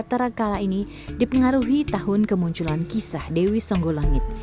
terakala ini dipengaruhi tahun kemunculan kisah dewi songgolangit